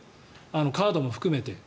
カードも含めて。